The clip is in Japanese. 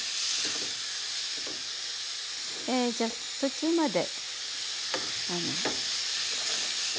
えじゃ途中まで。